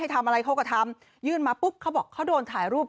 ทำอะไรเขาก็ทำยื่นมาปุ๊บเขาบอกเขาโดนถ่ายรูป